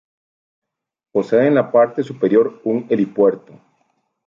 Posee en la parte superior un helipuerto.